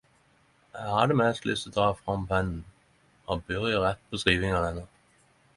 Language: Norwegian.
Eg hadde mest lyst å ta fram pennen å byrje rette på skrivinga hennar...